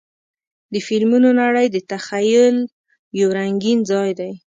د فلمونو نړۍ د تخیل یو رنګین ځای دی.